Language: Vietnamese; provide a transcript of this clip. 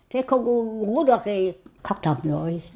thế không ngủ được thì khóc thầm rồi